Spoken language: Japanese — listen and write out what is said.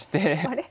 あれ？